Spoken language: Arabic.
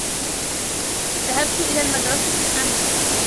ذهبت إلى المدرسة أمس.